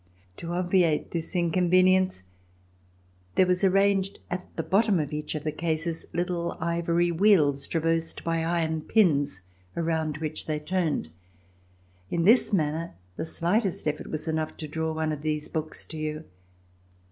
To obviate this in convenience, there was arranged at the bottom of RECOLLECTIONS OF THE REVOLUTION each of these cases httle ivory wheels traversed by iron pins around which they turned. In this manner, the slightest effort was enough to draw one of these books to you.